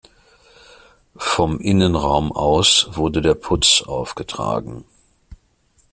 Vom Innenraum aus wurde der Putz aufgetragen.